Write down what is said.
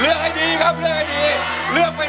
เลือกให้ดีครับเลือกให้ดี